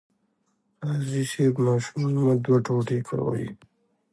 قاضي صیب ماشوم مه دوه ټوټې کوئ.